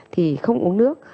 thì không uống nước